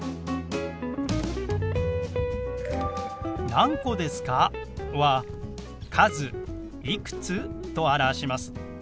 「何個ですか？」は「数いくつ？」と表します。